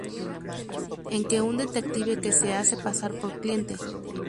en que un detective que se hace pasar por cliente